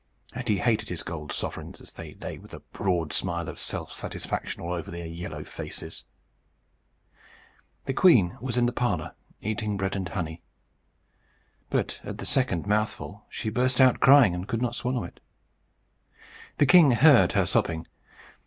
And he hated his gold sovereigns, as they lay with a broad smile of self satisfaction all over their yellow faces. The queen was in the parlour, eating bread and honey. But at the second mouthful she burst out crying, and could not swallow it. The king heard her sobbing.